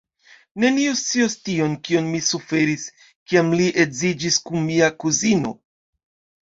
Neniu scios tion, kion mi suferis, kiam li edziĝis kun mia kuzino.